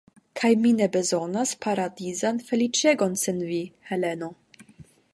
Kaj mi ne bezonas paradizan feliĉegon sen vi, Heleno.